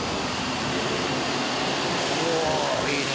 うわあいいねえ。